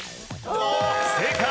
正解！